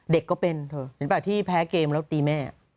เด็กก็เป็นเหมือนแบบที่แพ้เกมแล้วตีแม่